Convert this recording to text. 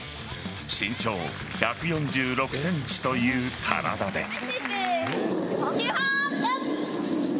身長１４６ｃｍという体で。